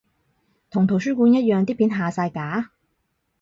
同圖書館一樣啲片下晒架？